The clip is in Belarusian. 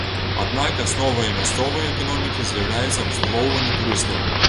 Аднак асновай мясцовай эканомікі з'яўляецца абслугоўванне турыстаў.